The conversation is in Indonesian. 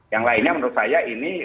yang lainnya menurut saya ini